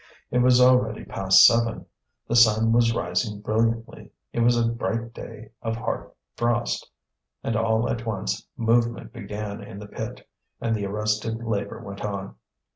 It was already past seven. The sun was rising brilliantly; it was a bright day of hard frost; and all at once movement began in the pit, and the arrested labour went on.